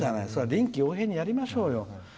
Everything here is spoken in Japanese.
臨機応変にやりましょうよ。